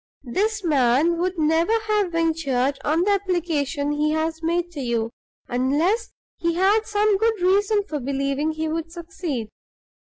"This man would never have ventured on the application he has made to you, unless he had some good reason for believing he would succeed.